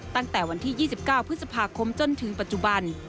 ตั้งแต่วันที่๒๙พฤษภาคมจนถึงปัจจุบัน